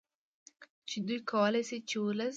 چې دوی کولې شي چې ولس